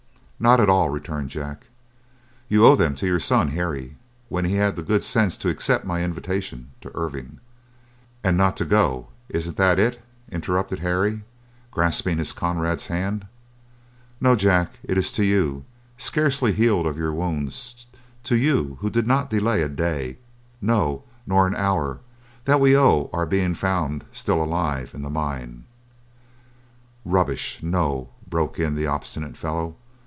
"Not at all," returned Jack. "You owe them to your son Harry, when he had the good sense to accept my invitation to Irvine." "And not to go, isn't that it?" interrupted Harry, grasping his comrade's hand. "No, Jack, it is to you, scarcely healed of your wounds—to you, who did not delay a day, no, nor an hour, that we owe our being found still alive in the mine!" "Rubbish, no!" broke in the obstinate fellow.